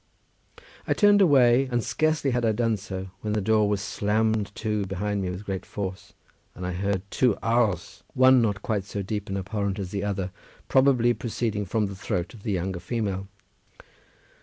I turned away, and scarcely had I done so when the door was slammed to behind me with great force, and I heard two "aughs," one not quite so deep and abhorrent as the other, probably proceeding from the throat of the younger female.